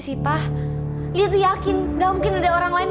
selamat siang bu ranti